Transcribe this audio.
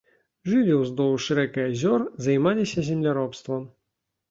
Жылі ўздоўж рэк і азёр, займаліся земляробствам.